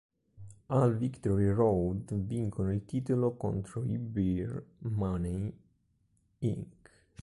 Al Victory Road vincono il titolo contro i Beer Money, Inc.